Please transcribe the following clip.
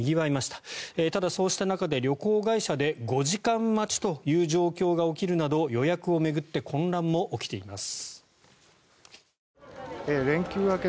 ただ、そうした中で旅行会社で５時間待ちという状況が起きるなど予約を巡って混乱も起きています。